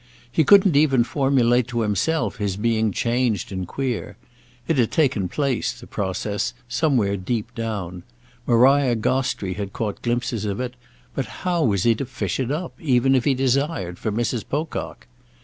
He couldn't even formulate to himself his being changed and queer; it had taken place, the process, somewhere deep down; Maria Gostrey had caught glimpses of it; but how was he to fish it up, even if he desired, for Mrs. Pocock?